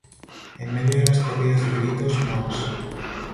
En medio de las corridas y gritos, mons.